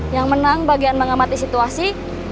yang menang bagian mengamati situasi